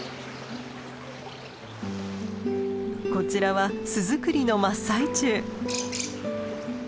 こちらは巣作りの真っ最中。